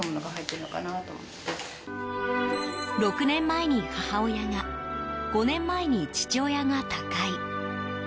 ６年前に母親が５年前に父親が他界。